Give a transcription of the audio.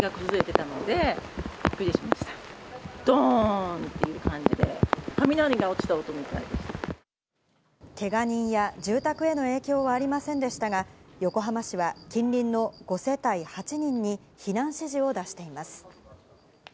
どーんっていう感じで、けが人や住宅への影響はありませんでしたが、横浜市は近隣の５世帯８人に、避難指示を出しています。